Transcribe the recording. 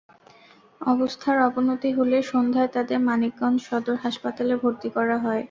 অবস্থার অবনতি হলে সন্ধ্যায় তাঁদের মানিকগঞ্জ সদর হাসপাতালে ভর্তি করা হয়।